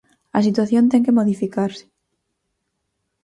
A situación ten que modificarse.